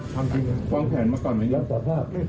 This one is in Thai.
ทำจริงความแขนมาก่อนเหมือนกับสภาพ